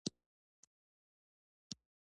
په اجرا کېدو سره یې نوي بدلونونه رامنځته کېدل.